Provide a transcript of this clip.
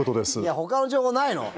他の情報ないの？